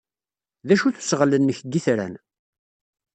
D acu-t usɣel-nnek n yitran?